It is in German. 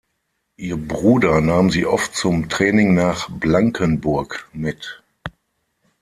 Ihr Bruder nahm sie oft zum Training nach Blankenburg mit.